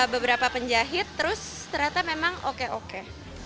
beberapa penjahit terus ternyata memang oke oke